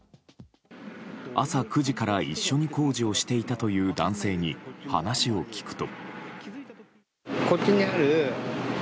朝９時から一緒に工事をしていたという男性に話を聞くと。